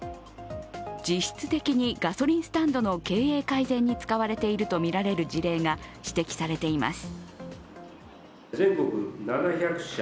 実質的にガソリンスタンドの経営改善に使われているとみられる事例が指摘されています。